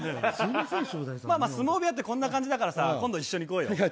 まあ相撲部屋ってこんな感じだからさ、今度一緒に行こうよ。